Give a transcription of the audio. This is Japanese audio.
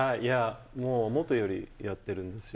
もう、もとよりやってるんですよ。